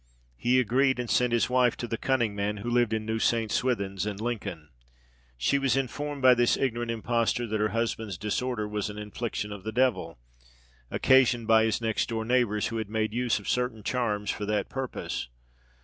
He agreed, and sent his wife to the cunning man, who lived in New St. Swithin's, in Lincoln. She was informed by this ignorant impostor that her husband's disorder was an infliction of the devil, occasioned by his next door neighbours, who had made use of certain charms for that purpose.